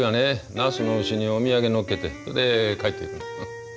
ナスの牛にお土産のっけてそれで帰っていくの。